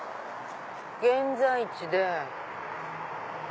現在地で。